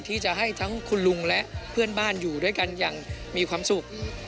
ที่จะให้ทั้งคุณลุงและเพื่อนบ้านอยู่ด้วยกันอย่างมีความสุข